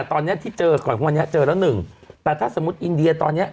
ตอนเนี้ยที่เจอก่อนวันนี้เจอแล้วหนึ่งแต่ถ้าสมมุติอินเดียตอนเนี้ย